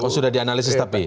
oh sudah dianalisis tapi